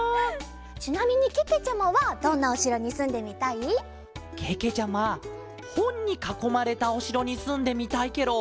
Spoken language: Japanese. ちなみにけけちゃまはどんなおしろにすんでみたい？けけちゃまほんにかこまれたおしろにすんでみたいケロ。